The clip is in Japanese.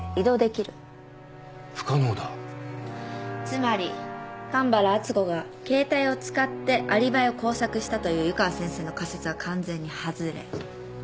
つまり神原敦子が携帯を使ってアリバイを工作したという湯川先生の仮説は完全に外れ。